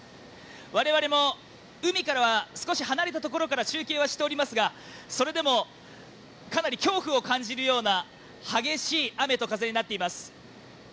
我々も海からは少し離れたところから中継しておりますがそれでもかなり恐怖を感じるような激しい雨と風になっています。